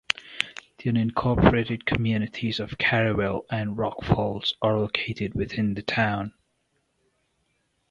The unincorporated communities of Caryville and Rock Falls are located within the town.